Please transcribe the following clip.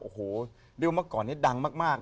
โอ้โหเดี๋ยวมากก่อนเนี่ยดังมาก